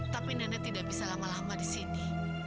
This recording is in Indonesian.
tapi nenek tidak bisa lama lama disini